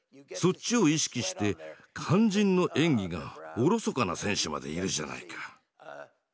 そっちを意識して肝心の演技がおろそかな選手までいるじゃないか。